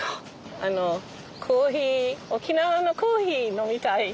あのコーヒー沖縄のコーヒー飲みたい。